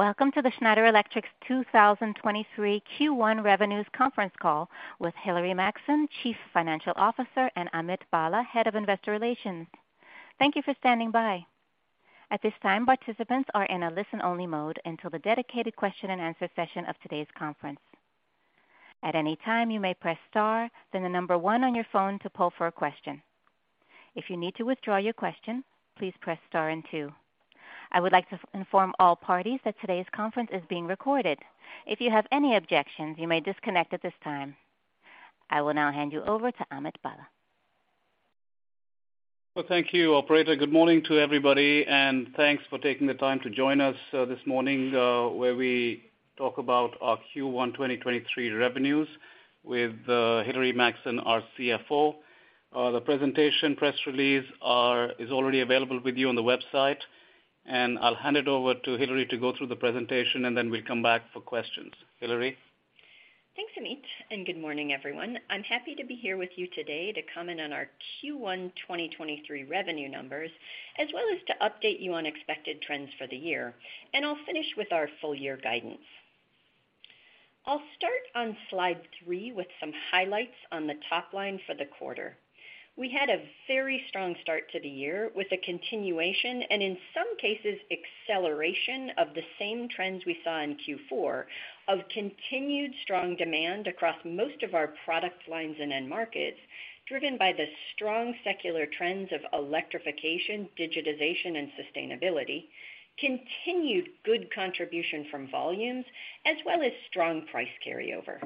Welcome to the Schneider Electric 2023 Q1 revenues conference call with Hilary Maxson, Chief Financial Officer, and Amit Bhalla, Head of Investor Relations. Thank you for standing by. At this time, participants are in a listen-only mode until the dedicated question-and-answer session of today's conference. At any time, you may press star, then the number one on your phone to pull for a question. If you need to withdraw your question, please press star and two. I would like to inform all parties that today's conference is being recorded. If you have any objections, you may disconnect at this time. I will now hand you over to Amit Bhalla. Well, thank you, operator. Good morning to everybody and thanks for taking the time to join us, this morning, where we talk about our Q1 2023 revenues with Hilary Maxson, our CFO. The presentation press release is already available with you on the website, I'll hand it over to Hilary to go through the presentation, and then we'll come back for questions. Hilary. Thanks, Amit. Good morning, everyone. I'm happy to be here with you today to comment on our Q1 2023 revenue numbers, as well as to update you on expected trends for the year. I'll finish with our full year guidance. I'll start on slide three with some highlights on the top line for the quarter. We had a very strong start to the year with a continuation, and in some cases, acceleration of the same trends we saw in Q4 of continued strong demand across most of our product lines and end markets, driven by the strong secular trends of electrification, digitization, and sustainability, continued good contribution from volumes, as well as strong price carryover.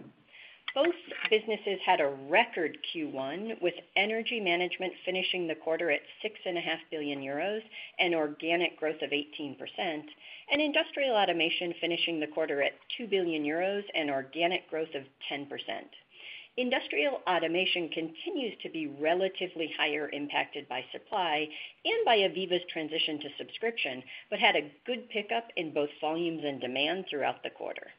Both businesses had a record Q1, with Energy Management finishing the quarter at 6.5 billion euros, an organic growth of 18%, and Industrial Automation finishing the quarter at 2 billion euros, an organic growth of 10%. Industrial Automation continues to be relatively higher impacted by supply and by AVEVA's transition to subscription, but had a good pickup in both volumes and demand throughout the quarter.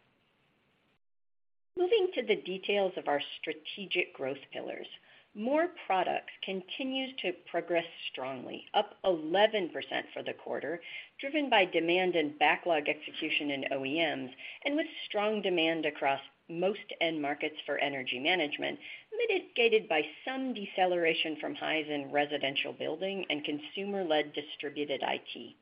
Moving to the details of our strategic growth pillars. More products continues to progress strongly, up 11% for the quarter, driven by demand and backlog execution in OEMs and with strong demand across most end markets for Energy Management, mitigated by some deceleration from highs in residential building and consumer-led distributed IT.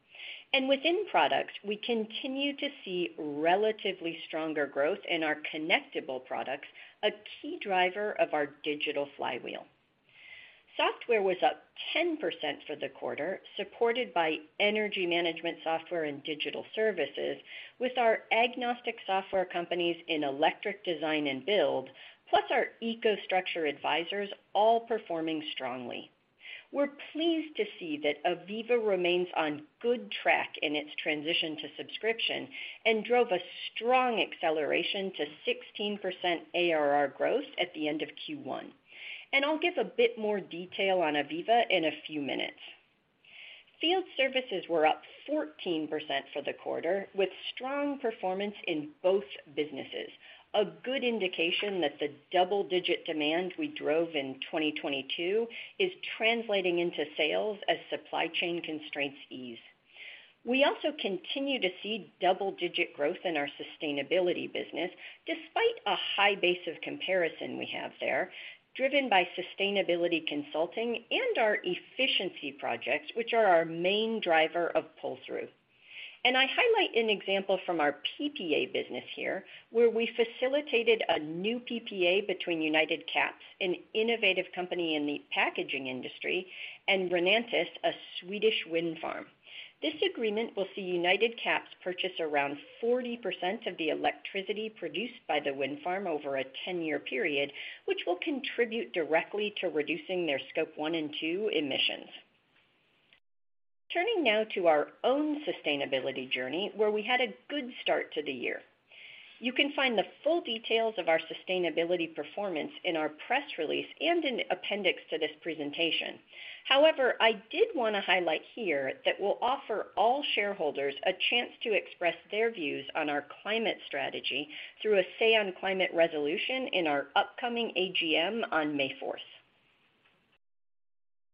Within products, we continue to see relatively stronger growth in our connectable products, a key driver of our digital flywheel. Software was up 10% for the quarter, supported by Energy Management software and digital services with our agnostic software companies in electric design and build, plus our EcoStruxure Advisors, all performing strongly. We're pleased to see that AVEVA remains on good track in its transition to subscription and drove a strong acceleration to 16% ARR growth at the end of Q1. I'll give a bit more detail on AVEVA in a few minutes. Field services were up 14% for the quarter, with strong performance in both businesses, a good indication that the double-digit demand we drove in 2022 is translating into sales as supply chain constraints ease. We also continue to see double-digit growth in our sustainability business, despite a high base of comparison we have there, driven by sustainability consulting and our efficiency projects, which are our main driver of pull-through. I highlight an example from our PPA business here, where we facilitated a new PPA between UNITED CAPS, an innovative company in the packaging industry, and Renantis, an Italian wind farm. This agreement will see UNITED CAPS purchase around 40% of the electricity produced by the wind farm over a 10-year period, which will contribute directly to reducing their Scope 1 and 2 emissions. Turning now to our own sustainability journey, where we had a good start to the year. You can find the full details of our sustainability performance in our press release and in the appendix to this presentation. I did want to highlight here that we'll offer all shareholders a chance to express their views on our climate strategy through a Say on Climate resolution in our upcoming AGM on May 4th.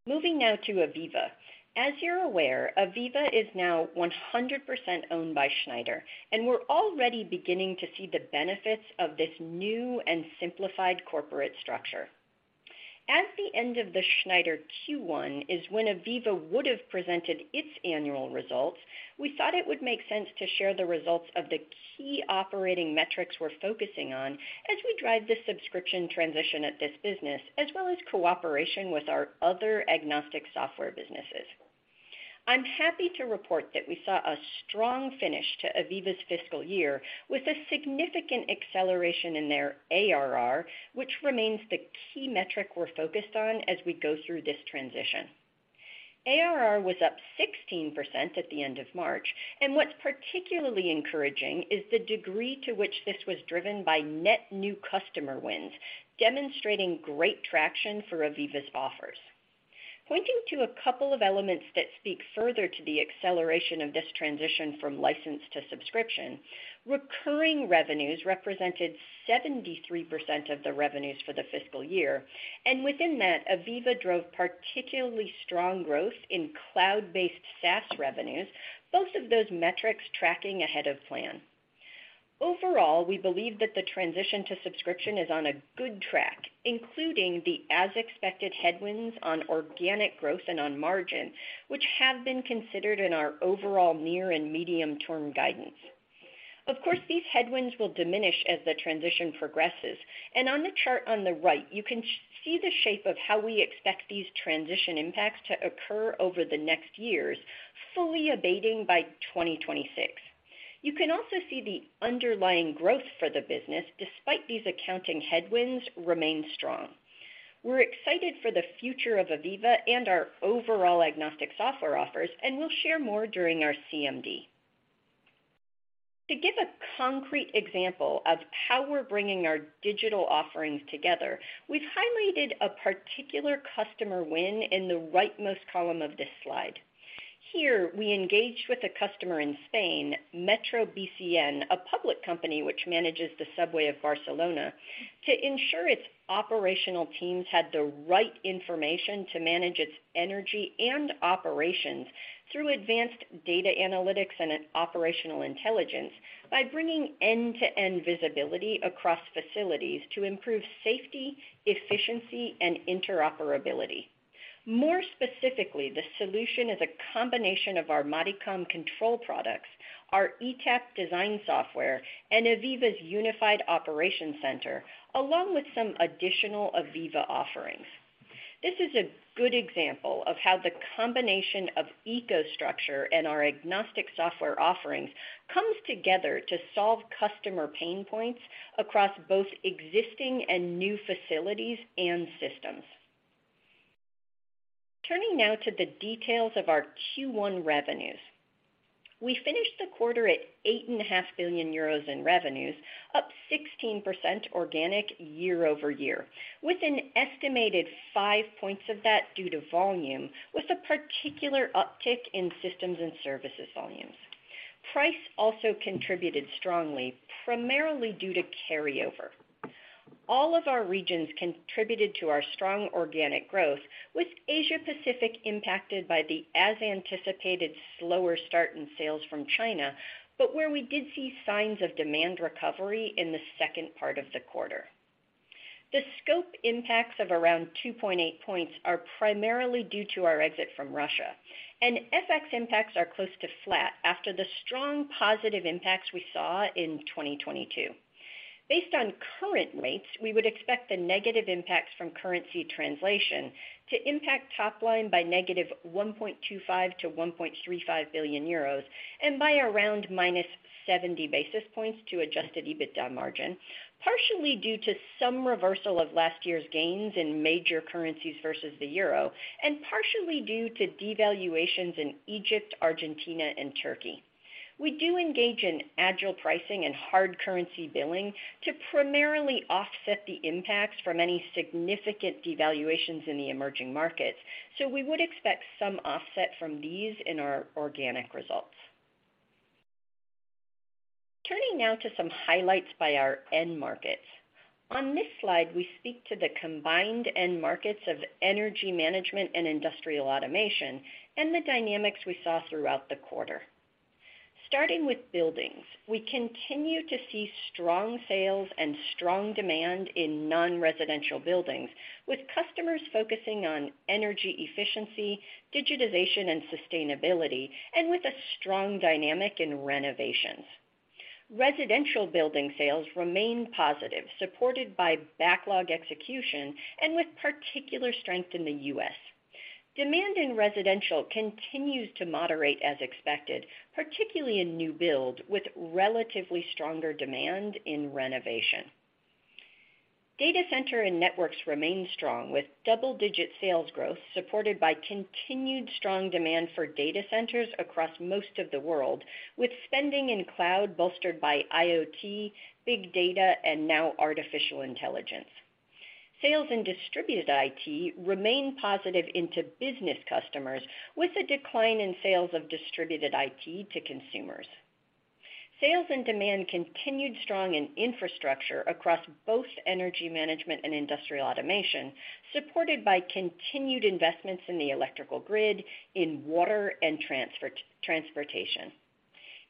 Moving now to AVEVA. As you're aware, AVEVA is now 100% owned by Schneider, and we're already beginning to see the benefits of this new and simplified corporate structure. At the end of the Schneider Q1 is when AVEVA would have presented its annual results, we thought it would make sense to share the results of the key operating metrics we're focusing on as we drive the subscription transition at this business, as well as cooperation with our other agnostic software businesses. I'm happy to report that we saw a strong finish to AVEVA's fiscal year with a significant acceleration in their ARR, which remains the key metric we're focused on as we go through this transition. ARR was up 16% at the end of March. What's particularly encouraging is the degree to which this was driven by net new customer wins, demonstrating great traction for AVEVA's offers. Pointing to a couple of elements that speak further to the acceleration of this transition from licensed to subscription. Recurring revenues represented 73% of the revenues for the fiscal year, and within that, AVEVA drove particularly strong growth in cloud-based SaaS revenues, both of those metrics tracking ahead of plan. Overall, we believe that the transition to subscription is on a good track, including the as-expected headwinds on organic growth and on margin, which have been considered in our overall near and medium-term guidance. Of course, these headwinds will diminish as the transition progresses, and on the chart on the right, you can see the shape of how we expect these transition impacts to occur over the next years, fully abating by 2026. You can also see the underlying growth for the business, despite these accounting headwinds, remain strong. We're excited for the future of AVEVA and our overall agnostic software offers, and we'll share more during our CMD. To give a concrete example of how we're bringing our digital offerings together, we've highlighted a particular customer win in the rightmost column of this slide. Here, we engaged with a customer in Spain, Metro BCN, a public company which manages the subway of Barcelona, to ensure its operational teams had the right information to manage its energy and operations through advanced data analytics and operational intelligence by bringing end-to-end visibility across facilities to improve safety, efficiency, and interoperability. More specifically, the solution is a combination of our Modicon control products, our ETAP design software, and AVEVA's Unified Operations Center, along with some additional AVEVA offerings. This is a good example of how the combination of EcoStruxure and our agnostic software offerings comes together to solve customer pain points across both existing and new facilities and systems. Turning now to the details of our Q1 revenues. We finished the quarter at 8.5 billion euros in revenues, up 16% organic year-over-year, with an estimated 5 points of that due to volume, with a particular uptick in systems and services volumes. Price also contributed strongly, primarily due to carryover. All of our regions contributed to our strong organic growth, with Asia Pacific impacted by the as-anticipated slower start in sales from China, where we did see signs of demand recovery in the second part of the quarter. The scope impacts of around 2.8 points are primarily due to our exit from Russia. FX impacts are close to flat after the strong positive impacts we saw in 2022. Based on current rates, we would expect the negative impacts from currency translation to impact top line by negative 1.25 billion-1.35 billion euros, and by around -70 basis points to adjusted EBITDA margin, partially due to some reversal of last year's gains in major currencies versus the euro, and partially due to devaluations in Egypt, Argentina, and Turkey. We do engage in agile pricing and hard currency billing to primarily offset the impacts from any significant devaluations in the emerging markets, so we would expect some offset from these in our organic results. Turning now to some highlights by our end markets. On this slide, we speak to the combined end markets of Energy Management and Industrial Automation and the dynamics we saw throughout the quarter. Starting with buildings, we continue to see strong sales and strong demand in non-residential buildings, with customers focusing on energy efficiency, digitization, and sustainability, and with a strong dynamic in renovations. Residential building sales remain positive, supported by backlog execution and with particular strength in the U.S. Demand in residential continues to moderate as expected, particularly in new build, with relatively stronger demand in renovation. Data center and networks remain strong, with double-digit sales growth supported by continued strong demand for data centers across most of the world, with spending in cloud bolstered by IoT, big data, and now artificial intelligence. Sales in distributed IT remain positive into business customers, with a decline in sales of distributed IT to consumers. Sales and demand continued strong in infrastructure across both Energy Management and Industrial Automation, supported by continued investments in the electrical grid, in water, and transportation.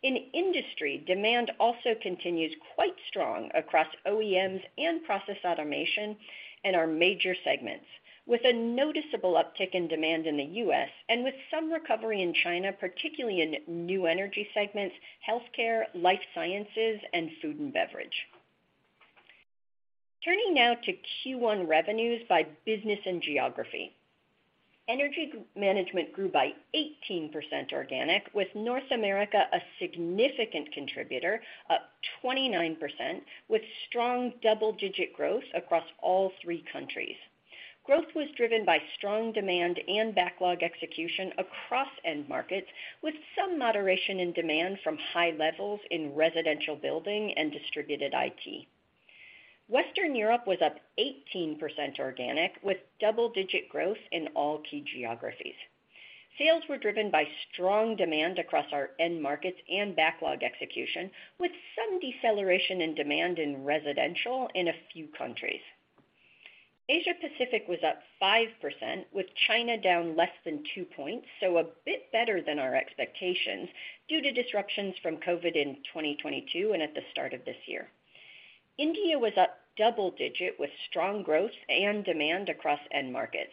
In industry, demand also continues quite strong across OEMs and process automation and our major segments, with a noticeable uptick in demand in the U.S. and with some recovery in China, particularly in new energy segments, healthcare, life sciences, and food and beverage. Turning now to Q1 revenues by business and geography. Energy Management grew by 18% organic, with North America a significant contributor, up 29%, with strong double-digit growth across all three countries. Growth was driven by strong demand and backlog execution across end markets, with some moderation in demand from high levels in residential building and distributed IT. Western Europe was up 18% organic with double-digit growth in all key geographies. Sales were driven by strong demand across our end markets and backlog execution, with some deceleration in demand in residential in a few countries. Asia Pacific was up 5% with China down less than 2 points. A bit better than our expectations due to disruptions from COVID in 2022 and at the start of this year. India was up double digit with strong growth and demand across end markets.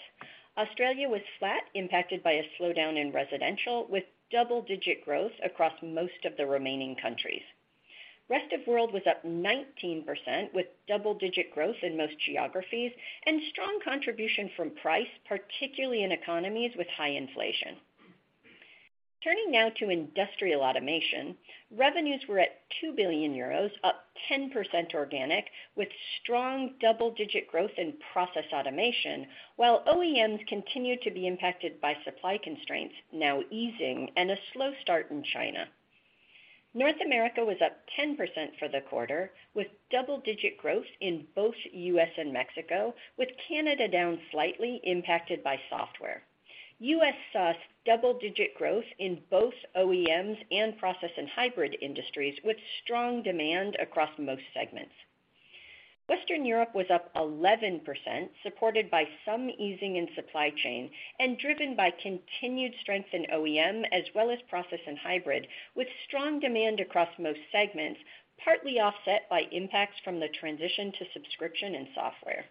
Australia was flat, impacted by a slowdown in residential, with double-digit growth across most of the remaining countries. Rest of world was up 19%, with double-digit growth in most geographies and strong contribution from price, particularly in economies with high inflation. Turning now to Industrial Automation. Revenues were at 2 billion euros, up 10% organic, with strong double-digit growth in process automation, while OEMs continued to be impacted by supply constraints, now easing, and a slow start in China. North America was up 10% for the quarter, with double-digit growth in both U.S. and Mexico, with Canada down slightly impacted by software. U.S. saw double-digit growth in both OEMs and process and hybrid industries with strong demand across most segments. Western Europe was up 11%, supported by some easing in supply chain and driven by continued strength in OEM as well as process and hybrid, with strong demand across most segments, partly offset by impacts from the transition to subscription and software.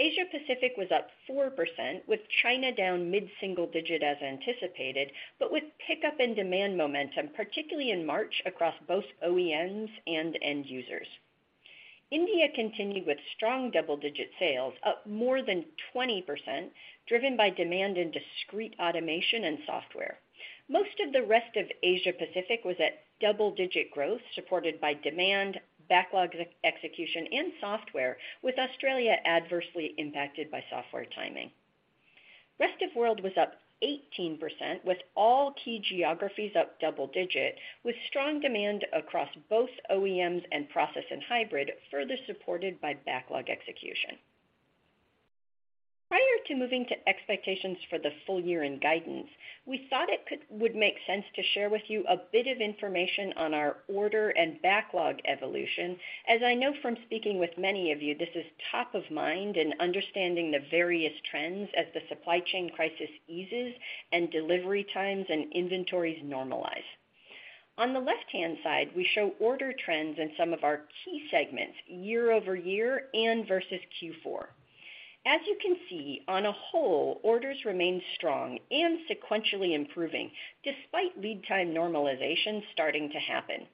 Asia Pacific was up 4%, with China down mid-single digit as anticipated, but with pickup in demand momentum, particularly in March across both OEMs and end users. India continued with strong double-digit sales, up more than 20%, driven by demand in discrete automation and software. Most of the rest of Asia Pacific was at double-digit growth, supported by demand, backlog ex-execution, and software, with Australia adversely impacted by software timing. Rest of world was up 18%, with all key geographies up double-digit, with strong demand across both OEMs and process and hybrid, further supported by backlog execution. Prior to moving to expectations for the full year in guidance, we thought it would make sense to share with you a bit of information on our order and backlog evolution, as I know from speaking with many of you, this is top of mind in understanding the various trends as the supply chain crisis eases and delivery times and inventories normalize. On the left-hand side, we show order trends in some of our key segments year-over-year and versus Q4. You can see, on a whole, orders remain strong and sequentially improving despite lead time normalization starting to happen.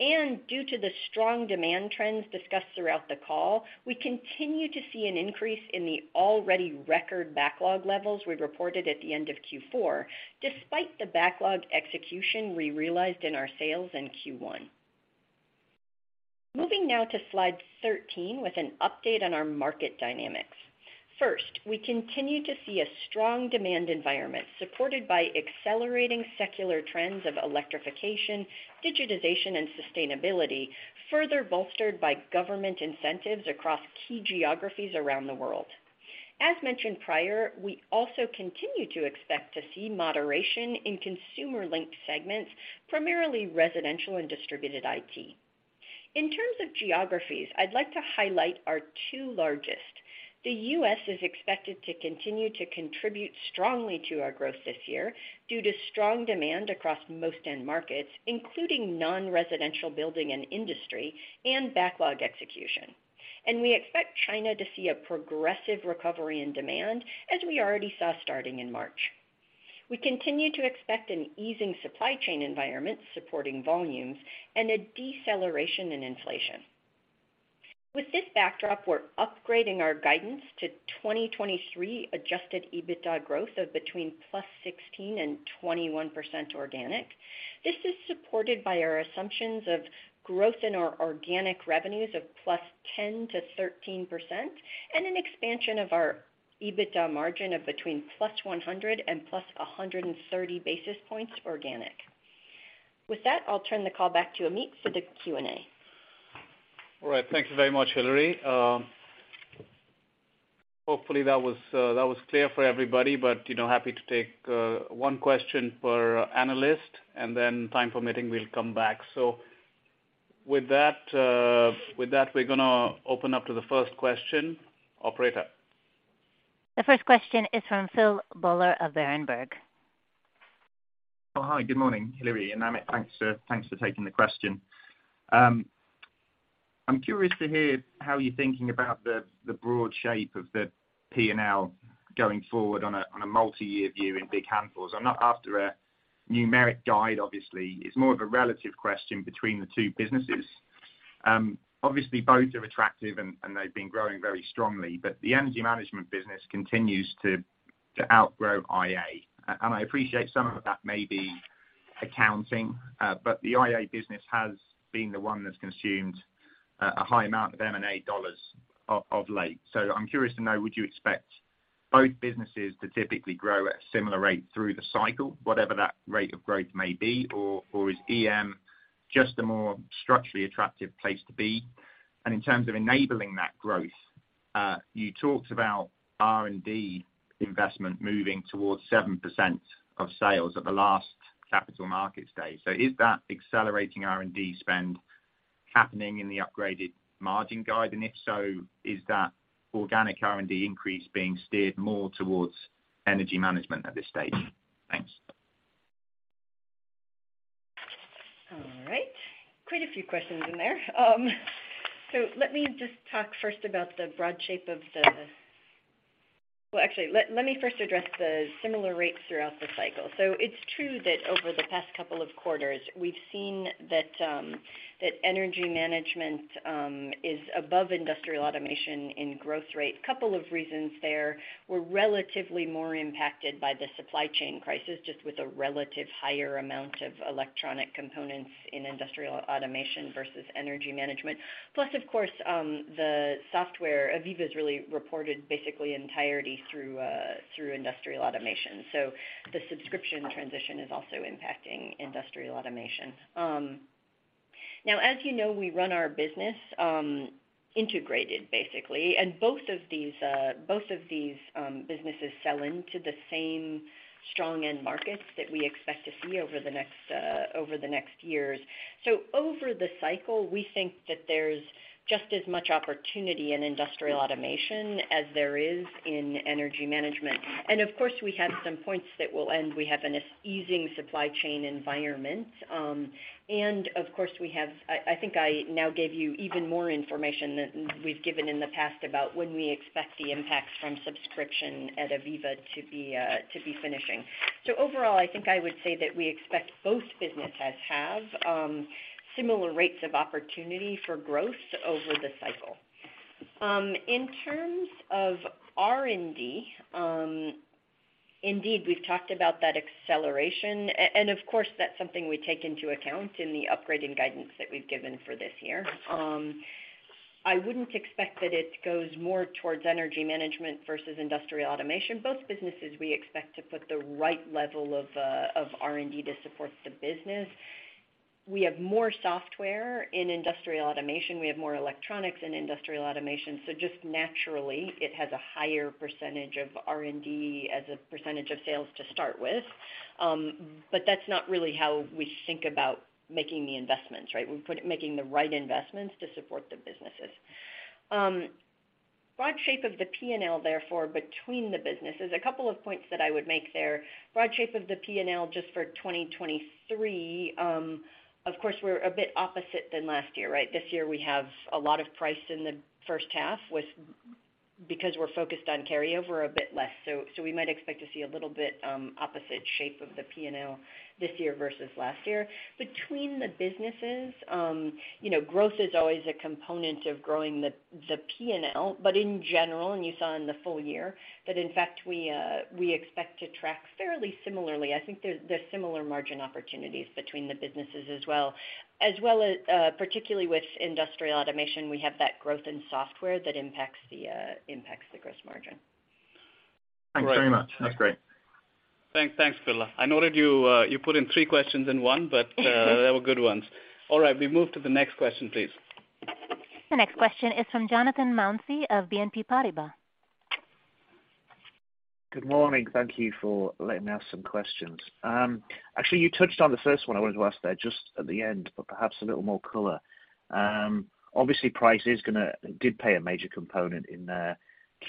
Due to the strong demand trends discussed throughout the call, we continue to see an increase in the already record backlog levels we reported at the end of Q4, despite the backlog execution we realized in our sales in Q1. Moving now to slide 13 with an update on our market dynamics. First, we continue to see a strong demand environment supported by accelerating secular trends of electrification, digitization, and sustainability, further bolstered by government incentives across key geographies around the world. As mentioned prior, we also continue to expect to see moderation in consumer-linked segments, primarily residential and distributed IT. In terms of geographies, I'd like to highlight our two largest. The U.S. is expected to continue to contribute strongly to our growth this year due to strong demand across most end markets, including non-residential building and industry and backlog execution. We expect China to see a progressive recovery in demand as we already saw starting in March. We continue to expect an easing supply chain environment supporting volumes and a deceleration in inflation. With this backdrop, we're upgrading our guidance to 2023 adjusted EBITDA growth of between +16% and 21% organic. This is supported by our assumptions of growth in our organic revenues of +10%-13% and an expansion of our EBITDA margin of between +100 and +130 basis points organic. With that, I'll turn the call back to Amit for the Q&A. All right. Thank you very much, Hilary. Hopefully that was clear for everybody, but, you know, happy to take one question per analyst, and then time permitting, we'll come back. With that, we're gonna open up to the first question. Operator? The first question is from Phil Buller of Berenberg. Hi. Good morning, Hilary and Amit. Thanks for taking the question. I'm curious to hear how you're thinking about the broad shape of the P&L going forward on a multi-year view in big handfuls. I'm not after a numeric guide, obviously. It's more of a relative question between the two businesses. Obviously both are attractive and they've been growing very strongly, but the Energy Management business continues to outgrow IA. And I appreciate some of that may be accounting, but the IA business has been the one that's consumed a high amount of M&A dollars of late. I'm curious to know, would you expect both businesses to typically grow at a similar rate through the cycle, whatever that rate of growth may be, or is EM just a more structurally attractive place to be? In terms of enabling that growth, you talked about R&D investment moving towards 7% of sales at the last Capital Markets Day. Is that accelerating R&D spend happening in the upgraded margin guide? If so, is that organic R&D increase being steered more towards Energy Management at this stage? Thanks. All right. Quite a few questions in there. Let me just talk first about the broad shape of the... Well, actually, let me first address the similar rates throughout the cycle. It's true that over the past couple of quarters, we've seen that Energy Management, is above Industrial Automation in growth rate. Couple of reasons there. We're relatively more impacted by the supply chain crisis, just with a relative higher amount of electronic components in Industrial Automation versus Energy Management. Plus, of course, the software, AVEVA's really reported basically entirety through Industrial Automation. The subscription transition is also impacting Industrial Automation. Now, as you know, we run our business integrated basically, and both of these businesses sell into the same strong end markets that we expect to see over the next over the next years. Over the cycle, we think that there's just as much opportunity in Industrial Automation as there is in Energy Management. Of course, we have some points that will end. We have an easing supply chain environment. Of course, I think I now gave you even more information than we've given in the past about when we expect the impacts from subscription at AVEVA to be finishing. Overall, I think I would say that we expect both businesses have similar rates of opportunity for growth over the cycle. In terms of R&D, indeed, we've talked about that acceleration. Of course, that's something we take into account in the upgrading guidance that we've given for this year. I wouldn't expect that it goes more towards Energy Management versus Industrial Automation. Both businesses, we expect to put the right level of R&D to support the business. We have more software in Industrial Automation. We have more electronics in Industrial Automation, so just naturally it has a higher percentage of R&D as a percentage of sales to start with. That's not really how we think about making the investments, right? We put making the right investments to support the businesses. Broad shape of the P&L, therefore, between the businesses, a couple of points that I would make there. Broad shape of the P&L just for 2023, of course, we're a bit opposite than last year, right? This year we have a lot of price in the first half because we're focused on carryover a bit less, so we might expect to see a little bit opposite shape of the P&L this year versus last year. Between the businesses, you know, growth is always a component of growing the P&L. In general, and you saw in the full year, that in fact we expect to track fairly similarly. I think there's similar margin opportunities between the businesses as well. As well as, particularly with Industrial Automation, we have that growth in software that impacts the impacts the gross margin. Thanks very much. That's great. Thanks. Thanks, Phil. I noted you put in three questions in one, but they were good ones. All right, we move to the next question, please. The next question is from Jonathan Mounsey of BNP Paribas. Good morning. Thank you for letting me ask some questions. Actually, you touched on the first one I wanted to ask there just at the end, perhaps a little more color. Obviously price did play a major component in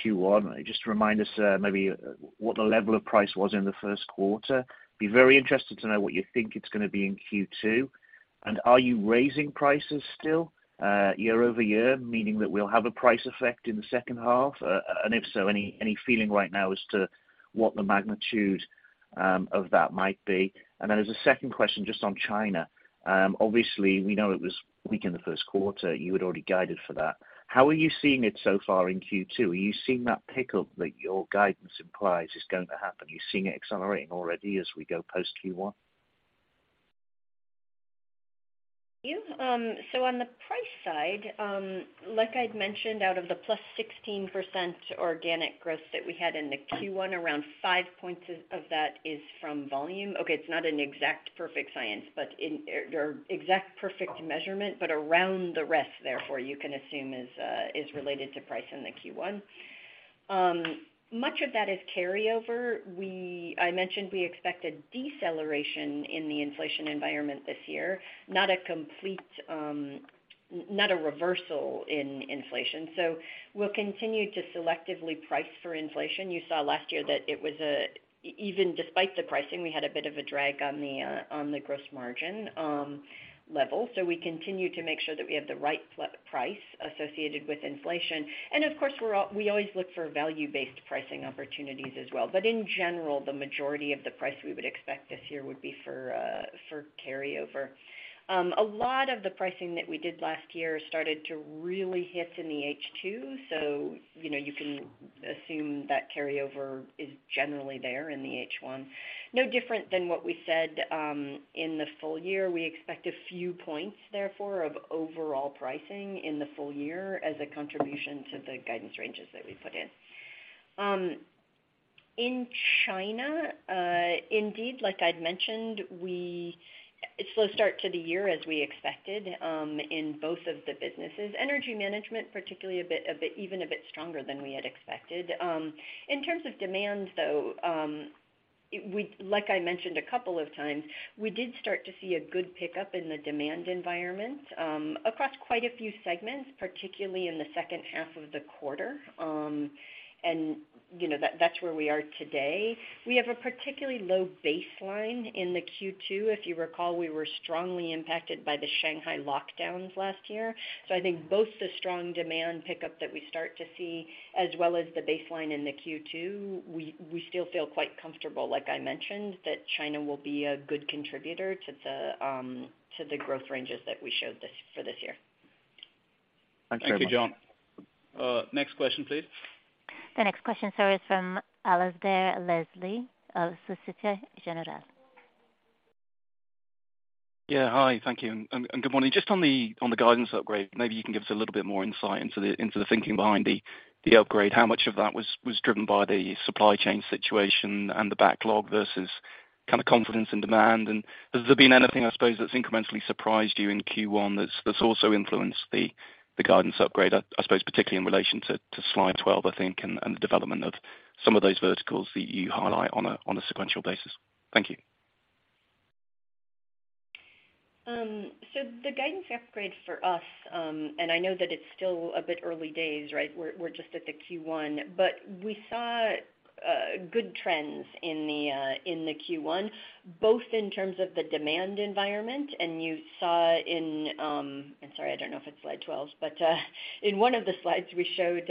Q1. Just remind us, maybe what the level of price was in the first quarter. Be very interested to know what you think it's gonna be in Q2. Are you raising prices still year-over-year, meaning that we'll have a price effect in the second half? If so, any feeling right now as to what the magnitude of that might be? As a second question, just on China, obviously we know it was weak in the first quarter. You had already guided for that. How are you seeing it so far in Q2? Are you seeing that pickup that your guidance implies is going to happen? Are you seeing it accelerating already as we go post Q1? On the price side, like I'd mentioned, out of the +16% organic growth that we had in the Q1, around 5 points of that is from volume. Okay, it's not an exact perfect science, or exact perfect measurement, around the rest, therefore, you can assume is related to price in the Q1. Much of that is carryover. We, I mentioned we expect a deceleration in the inflation environment this year, not a complete, not a reversal in inflation. We'll continue to selectively price for inflation. You saw last year that it was even despite the pricing, we had a bit of a drag on the gross margin level. We continue to make sure that we have the right price associated with inflation. Of course, we always look for value-based pricing opportunities as well. In general, the majority of the price we would expect this year would be for carryover. A lot of the pricing that we did last year started to really hit in the H2, so, you know, you can assume that carryover is generally there in the H1. No different than what we said in the full year. We expect a few points therefore of overall pricing in the full year as a contribution to the guidance ranges that we put in. In China, indeed, like I'd mentioned, it's slow start to the year as we expected in both of the businesses. Energy Management, particularly a bit, even a bit stronger than we had expected. In terms of demand though, like I mentioned a couple of times, we did start to see a good pickup in the demand environment, across quite a few segments, particularly in the second half of the quarter. You know, that's where we are today. We have a particularly low baseline in the Q2. If you recall, we were strongly impacted by the Shanghai lockdowns last year. I think both the strong demand pickup that we start to see as well as the baseline in the Q2, we still feel quite comfortable, like I mentioned, that China will be a good contributor to the growth ranges that we showed this, for this year. Thanks very much. Thank you, Jon. Next question, please. The next question, sir, is from Alasdair Leslie of Societe Generale. Yeah. Hi. Thank you. Good morning. Just on the guidance upgrade, maybe you can give us a little bit more insight into the thinking behind the upgrade. How much of that was driven by the supply chain situation and the backlog versus kind of confidence and demand? Has there been anything, I suppose, that's incrementally surprised you in Q1 that's also influenced the guidance upgrade, I suppose particularly in relation to slide 12, I think, and the development of some of those verticals that you highlight on a sequential basis? Thank you. The guidance upgrade for us, and I know that it's still a bit early days, right? We're just at the Q1, but we saw good trends in the in the Q1, both in terms of the demand environment and you saw in, I'm sorry, I don't know if it's slide 12. In one of the slides we showed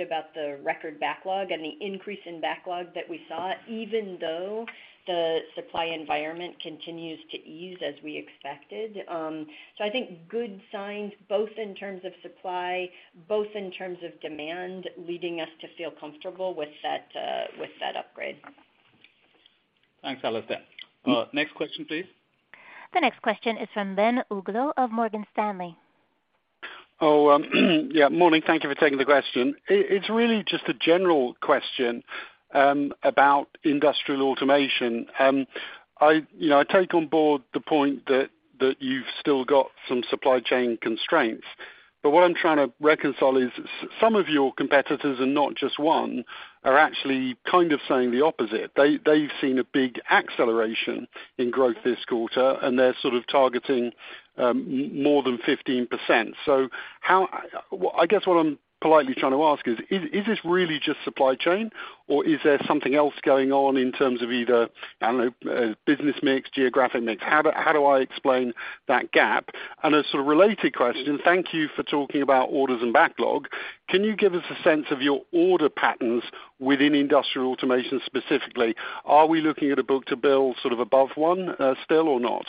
about the record backlog and the increase in backlog that we saw even though the supply environment continues to ease as we expected. I think good signs both in terms of supply, both in terms of demand leading us to feel comfortable with that with that upgrade. Thanks, Alasdair. Next question, please. The next question is from Ben Uglow of Morgan Stanley. Yeah, morning. Thank you for taking the question. It's really just a general question about Industrial Automation. I, you know, I take on board the point that you've still got some supply chain constraints. What I'm trying to reconcile is some of your competitors, and not just one, are actually kind of saying the opposite. They've seen a big acceleration in growth this quarter, and they're sort of targeting more than 15%. I guess what I'm politely trying to ask is this really just supply chain, or is there something else going on in terms of either, I don't know, business mix, geographic mix? How do I explain that gap? A sort of related question, thank you for talking about orders and backlog. Can you give us a sense of your order patterns within Industrial Automation specifically? Are we looking at a book-to-bill sort of above 1, still or not?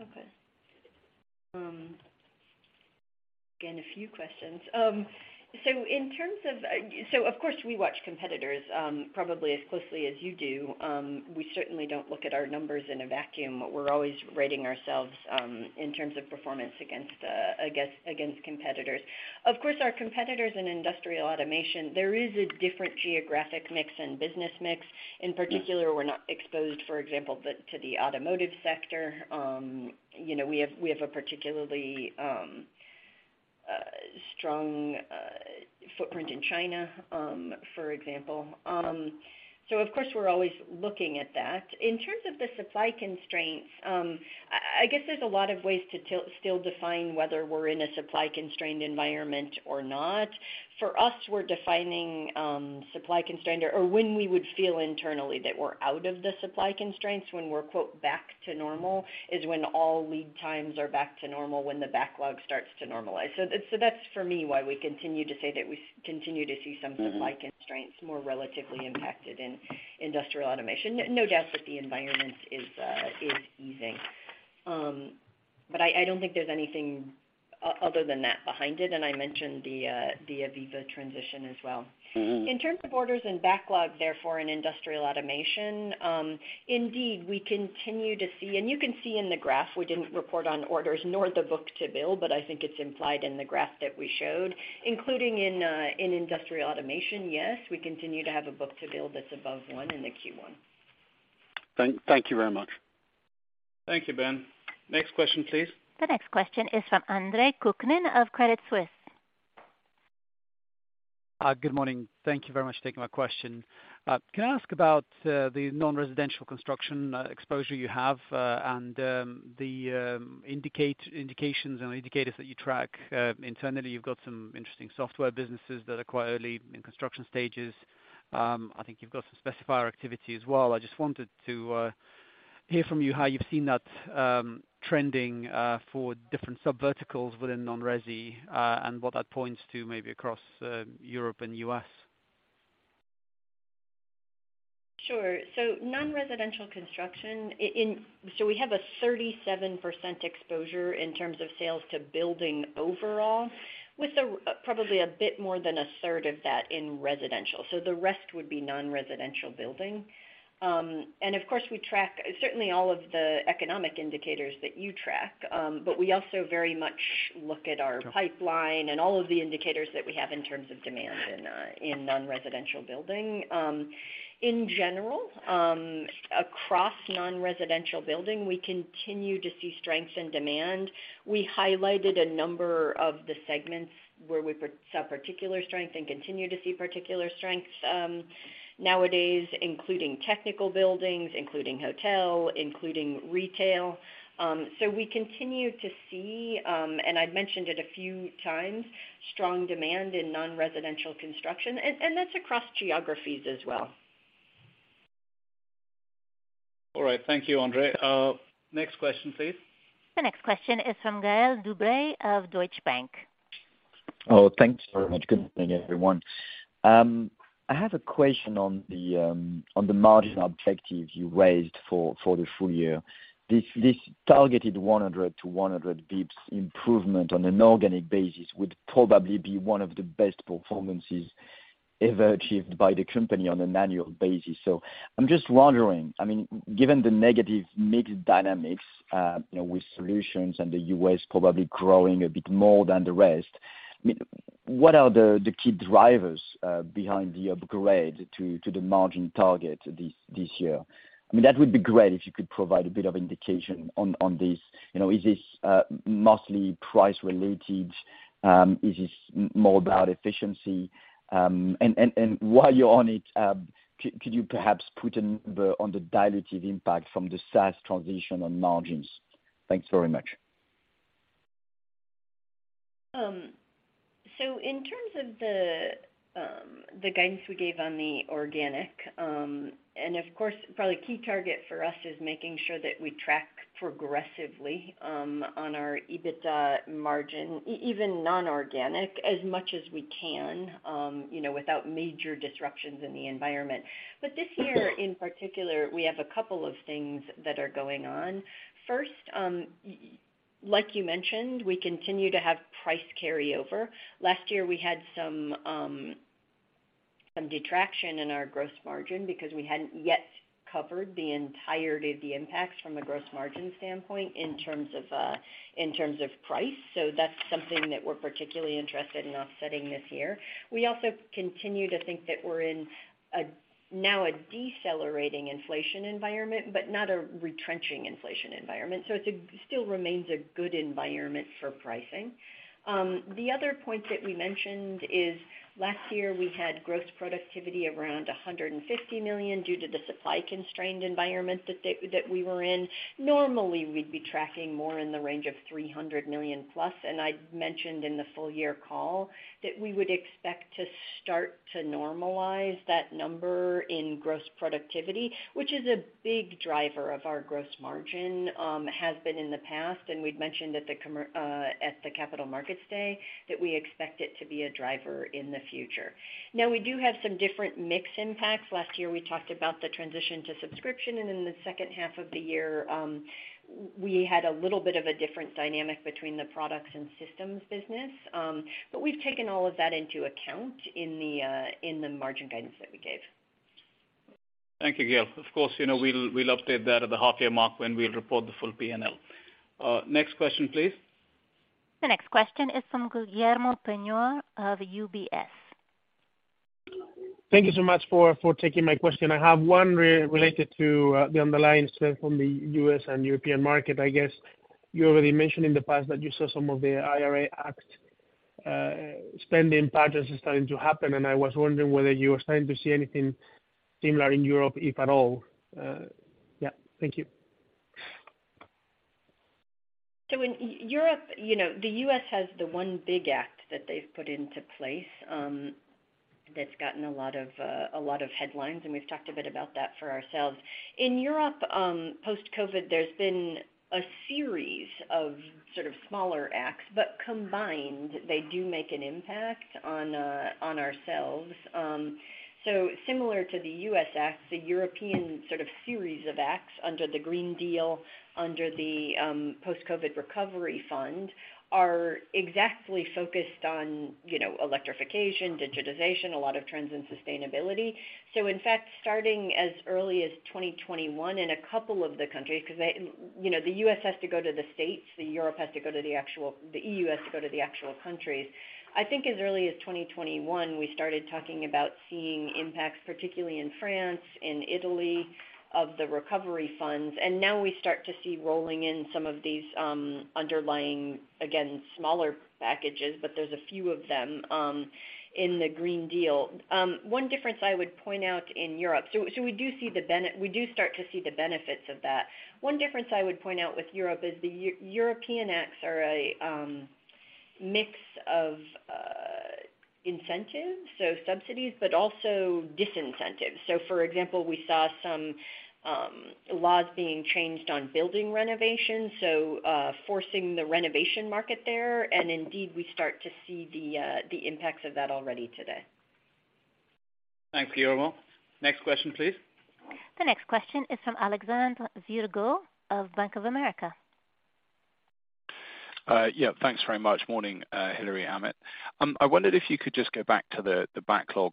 Okay. Again, a few questions. In terms of course, we watch competitors, probably as closely as you do. We certainly don't look at our numbers in a vacuum. We're always rating ourselves, in terms of performance against competitors. Of course, our competitors in Industrial Automation, there is a different geographic mix and business mix. In particular, we're not exposed, for example, to the automotive sector. You know, we have a particularly strong footprint in China, for example. Of course, we're always looking at that. In terms of the supply constraints, I guess there's a lot of ways to still define whether we're in a supply constrained environment or not. For us, we're defining supply constrained or when we would feel internally that we're out of the supply constraints when we're, quote, "back to normal" is when all lead times are back to normal, when the backlog starts to normalize. That's for me why we continue to say that we continue to see some supply constraints more relatively impacted in Industrial Automation. No doubt that the environment is easing. I don't think there's anything other than that behind it, and I mentioned the AVEVA transition as well. Mm-hmm. In terms of orders and backlog, therefore, in Industrial Automation, indeed, we continue to see, and you can see in the graph, we didn't report on orders nor the book-to-bill, but I think it's implied in the graph that we showed. Including in Industrial Automation, yes, we continue to have a book-to-bill that's above 1 in the Q1. Thank you very much. Thank you, Ben. Next question, please. The next question is from Andre Kukhnin of Credit Suisse. Good morning. Thank you very much for taking my question. Can I ask about the non-residential construction exposure you have and the indications and indicators that you track internally? You've got some interesting software businesses that are quite early in construction stages. I think you've got some specifier activity as well. I just wanted to hear from you how you've seen that trending for different sub verticals within non-resi and what that points to maybe across Europe and U.S. Sure. Non-residential construction we have a 37% exposure in terms of sales to building overall, with probably a bit more than a third of that in residential. The rest would be non-residential building. Of course, we track certainly all of the economic indicators that you track, but we also very much look at our pipeline and all of the indicators that we have in terms of demand in non-residential building. In general, across non-residential building, we continue to see strength and demand. We highlighted a number of the segments where we saw particular strength and continue to see particular strengths, nowadays, including technical buildings, including hotel, including retail. We continue to see, and I'd mentioned it a few times, strong demand in non-residential construction, and that's across geographies as well. All right. Thank you, Andre. Next question, please. The next question is from Gael de-Bray of Deutsche Bank. Oh, thanks very much. Good morning, everyone. I have a question on the margin objective you raised for the full year. This targeted 100 to 100 basis points improvement on an organic basis would probably be one of the best performances ever achieved by the company on an annual basis. I'm just wondering, I mean, given the negative mix dynamics, you know, with solutions and the U.S. probably growing a bit more than the rest, I mean, what are the key drivers behind the upgrade to the margin target this year? I mean, that would be great if you could provide a bit of indication on this. You know, is this mostly price related? Is this more about efficiency? While you're on it, could you perhaps put a number on the dilutive impact from the SaaS transition on margins? Thanks very much. In terms of the guidance we gave on the organic, and of course, probably key target for us is making sure that we track progressively on our EBITDA margin, even non-organic as much as we can, you know, without major disruptions in the environment. This year in particular, we have a couple of things that are going on. First, like you mentioned, we continue to have price carryover. Last year, we had some detraction in our gross margin because we hadn't yet covered the entirety of the impacts from a gross margin standpoint in terms of price. That's something that we're particularly interested in offsetting this year. We also continue to think that we're in a now a decelerating inflation environment, but not a retrenching inflation environment. It's a, still remains a good environment for pricing. The other point that we mentioned is last year we had gross productivity around 150 million due to the supply-constrained environment that we were in. Normally, we'd be tracking more in the range of 300 million+. I'd mentioned in the full year call that we would expect to start to normalize that number in gross productivity, which is a big driver of our gross margin, has been in the past. We'd mentioned at the Capital Markets Day that we expect it to be a driver in the future. We do have some different mix impacts. Last year, we talked about the transition to subscription. In the second half of the year, we had a little bit of a different dynamic between the products and systems business. We've taken all of that into account in the margin guidance that we gave. Thank you, Gael. Of course, you know, we'll update that at the half year mark when we report the full P&L. Next question, please. The next question is from Guillermo Peigneux Lojo of UBS. Thank you so much for taking my question. I have one related to the underlying strength from the U.S. and European market. I guess you already mentioned in the past that you saw some of the IRA Act spending patterns starting to happen, and I was wondering whether you are starting to see anything similar in Europe, if at all. Thank you. In Europe, the U.S. has the one big act that they've put into place, that's gotten a lot of, a lot of headlines, and we've talked a bit about that for ourselves. In Europe, post-COVID, there's been a series of sort of smaller acts, but combined they do make an impact on ourselves. Similar to the U.S. acts, the European sort of series of acts under the Green Deal, under the post-COVID recovery fund, are exactly focused on electrification, digitization, a lot of trends in sustainability. In fact, starting as early as 2021 in a couple of the countries, 'cause they, the U.S. has to go to the states, the Europe has to go to the E.U. has to go to the actual countries. I think as early as 2021, we started talking about seeing impacts, particularly in France, in Italy, of the recovery funds. Now we start to see rolling in some of these underlying, again, smaller packages, but there's a few of them in the Green Deal. One difference I would point out in Europe. We do start to see the benefits of that. One difference I would point out with Europe is the European acts are a mix of incentives, so subsidies, but also disincentives. For example, we saw some laws being changed on building renovations, so forcing the renovation market there. Indeed, we start to see the impacts of that already today. Thanks, Guillermo. Next question, please. The next question is from Alexander Virgo of Bank of America. Thanks very much. Morning, Hilary, Amit. I wondered if you could just go back to the backlog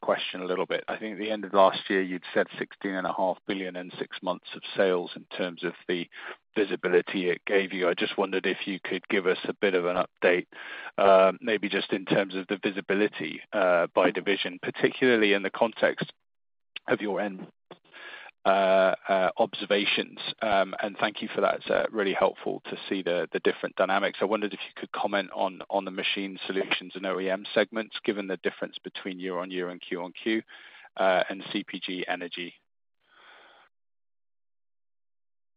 question a little bit. I think at the end of last year, you'd said 16.5 billion in six months of sales in terms of the visibility it gave you. I just wondered if you could give us a bit of an update, maybe just in terms of the visibility by division, particularly in the context of your end observations. Thank you for that. It's really helpful to see the different dynamics. I wondered if you could comment on the machine solutions and OEM segments, given the difference between year-on-year and QoQ and [CPG energy].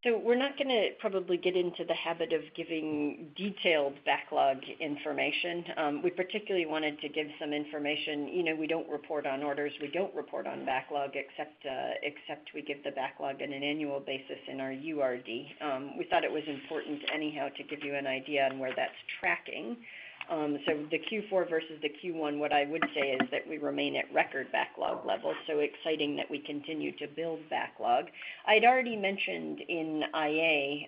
We're not gonna probably get into the habit of giving detailed backlog information. We particularly wanted to give some information. You know, we don't report on orders, we don't report on backlog, except we give the backlog on an annual basis in our URD. We thought it was important anyhow to give you an idea on where that's tracking. The Q4 versus the Q1, what I would say is that we remain at record backlog levels, so exciting that we continue to build backlog. I'd already mentioned in IA,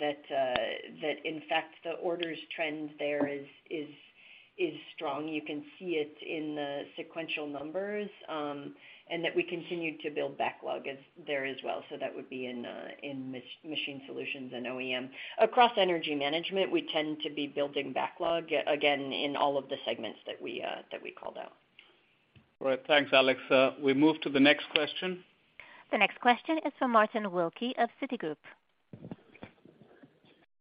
that in fact the orders trends there is strong. You can see it in the sequential numbers, and that we continued to build backlog there as well. That would be in machine solutions and OEM. Across Energy Management, we tend to be building backlog, again, in all of the segments that we called out. All right. Thanks, Alex. We move to the next question. The next question is from Martin Wilkie of Citigroup.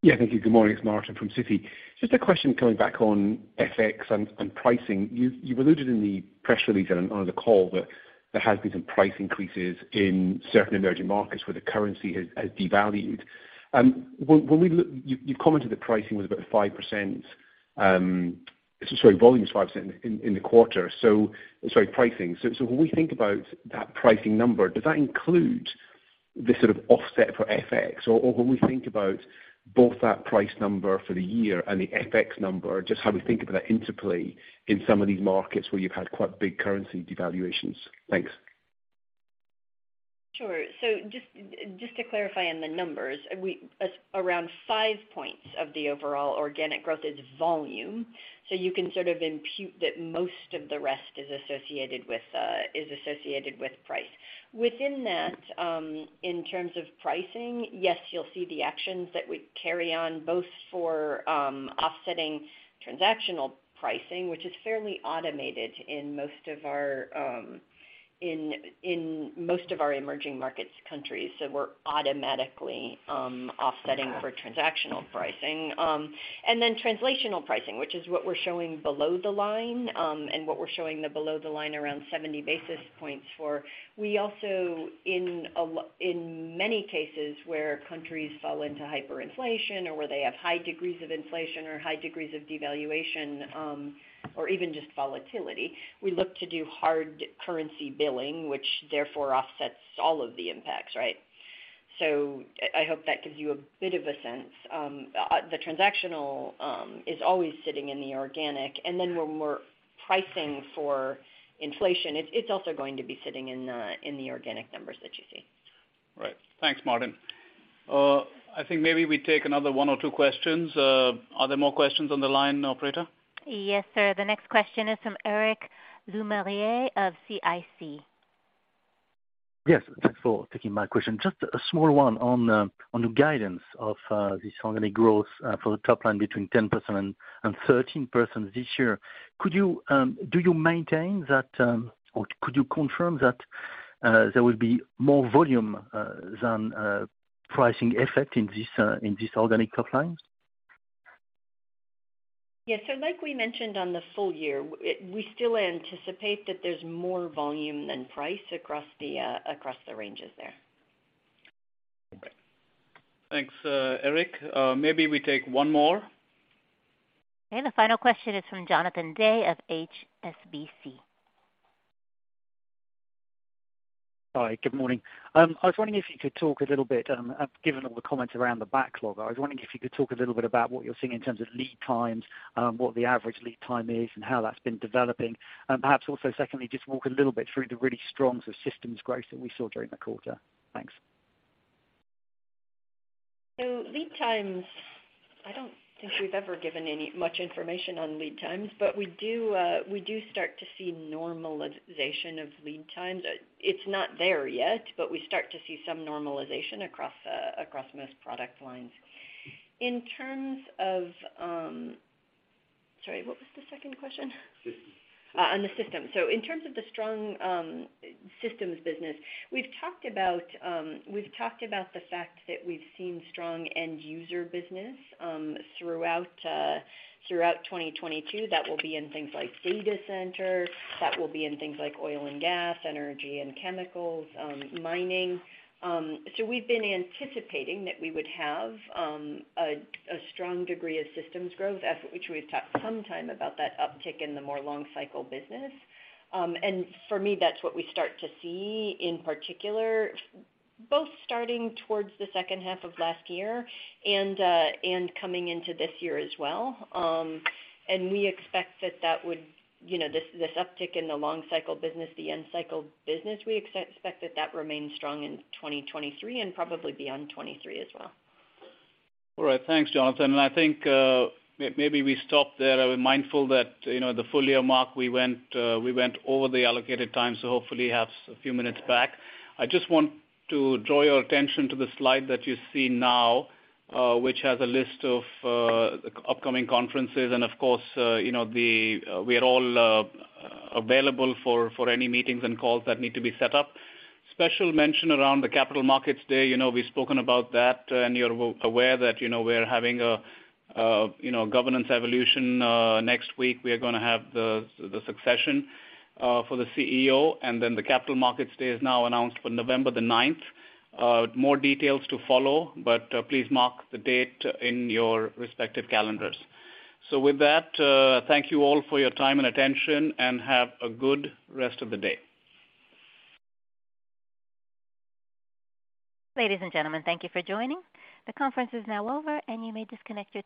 Thank you. Good morning. It's Martin Wilkie from Citi. Just a question coming back on FX and pricing. You alluded in the press release and on the call that there has been some price increases in certain emerging markets where the currency has devalued. When we look... You've commented the pricing was about 5%. Sorry, volume is 5% in the quarter. Sorry, pricing. When we think about that pricing number, does that include the sort of offset for FX? When we think about both that price number for the year and the FX number, just how do we think about that interplay in some of these markets where you've had quite big currency devaluations? Thanks. Sure. Just to clarify on the numbers, Around 5 points of the overall organic growth is volume. You can sort of impute that most of the rest is associated with price. Within that, in terms of pricing, yes, you'll see the actions that we carry on both for offsetting transactional pricing, which is fairly automated in most of our emerging markets countries. We're automatically offsetting for transactional pricing. Then translational pricing, which is what we're showing below the line, and what we're showing the below the line around 70 basis points for. In many cases where countries fall into hyperinflation or where they have high degrees of inflation or high degrees of devaluation, or even just volatility, we look to do hard currency billing, which therefore offsets all of the impacts, right? I hope that gives you a bit of a sense. The transactional is always sitting in the organic. Then when we're pricing for inflation, it's also going to be sitting in the organic numbers that you see. Right. Thanks, Martin. I think maybe we take another one or two questions. Are there more questions on the line, operator? Yes, sir. The next question is from Eric Lemarié of CIC. Yes. Thanks for taking my question. Just a small one on the guidance of the organic growth for the top line between 10% and 13% this year. Do you maintain that or could you confirm that there will be more volume than pricing effect in this organic top line? Yeah. Like we mentioned on the full year, we still anticipate that there's more volume than price across the across the ranges there. Okay. Thanks, Eric. Maybe we take one more. Okay, the final question is from Jonathan Day of HSBC. Hi, good morning. I was wondering if you could talk a little bit, given all the comments around the backlog, I was wondering if you could talk a little bit about what you're seeing in terms of lead times, what the average lead time is and how that's been developing. Perhaps also secondly, just walk a little bit through the really strong systems growth that we saw during the quarter. Thanks. Lead times, I don't think we've ever given any much information on lead times, but we do start to see normalization of lead times. It's not there yet, but we start to see some normalization across most product lines. Sorry, what was the second question? Systems. On the systems. In terms of the strong systems business, we've talked about the fact that we've seen strong end user business throughout 2022. That will be in things like data center, that will be in things like oil and gas, energy and chemicals, mining. We've been anticipating that we would have a strong degree of systems growth, as which we've talked some time about that uptick in the more long cycle business. For me, that's what we start to see in particular, both starting towards the second half of last year and coming into this year as well. We expect that would, you know, this uptick in the long cycle business, the end cycle business, we expect that remains strong in 2023 and probably beyond 2023 as well. All right. Thanks, Jonathan. I think maybe we stop there. I'm mindful that, you know, the full year mark we went over the allocated time, so hopefully have a few minutes back. I just want to draw your attention to the slide that you see now, which has a list of upcoming conferences. Of course, you know, we are all available for any meetings and calls that need to be set up. Special mention around the Capital Markets Day. You know, we've spoken about that, you're aware that, you know, we're having a, you know, governance evolution next week. We are gonna have the succession for the CEO, and then Capital Markets Day is now announced for November 9th. More details to follow, but, please mark the date in your respective calendars. With that, thank you all for your time and attention, and have a good rest of the day. Ladies and gentlemen, thank you for joining. The conference is now over and you may disconnect your devices.